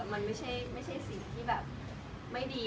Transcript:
มันไม่ใช่สิ่งที่แบบไม่ดี